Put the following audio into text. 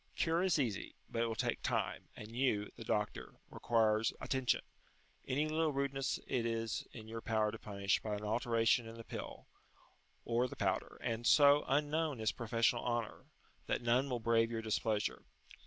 Cure is easy, but it will take time, and you, the doctor, require attention; any little rudeness it is in your power to punish by an alteration in the pill, or the powder, and, so unknown is professional honour, that none will brave your displeasure.